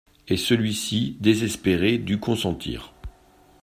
Et celui-ci, désespéré, dut consentir.